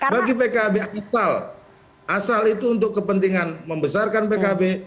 bagi pkb vital asal itu untuk kepentingan membesarkan pkb